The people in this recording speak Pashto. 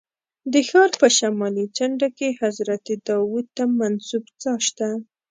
د ښار په شمالي څنډه کې حضرت داود ته منسوب څاه شته.